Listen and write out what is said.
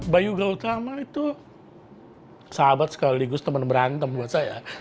bayu gautama itu sahabat sekaligus teman berantem buat saya